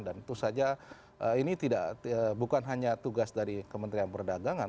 dan itu saja ini bukan hanya tugas dari kementerian perdagangan